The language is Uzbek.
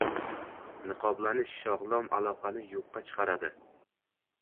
Niqoblanish sog‘lom aloqani yo‘qqa chiqaradi.